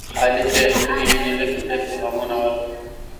علي ته یې خپلې مینې لپې لپې غمونه ورکړل.